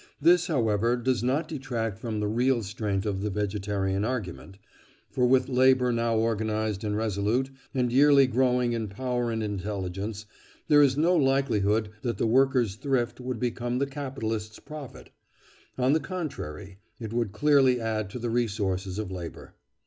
This, however, does not detract from the real strength of the vegetarian argument; for with labour now organised and resolute, and yearly growing in power and intelligence, there is no likelihood that the workers' thrift would become the capitalists' profit; on the contrary, it would clearly add to the resources of labour.